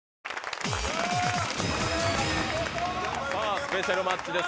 スペシャルマッチです。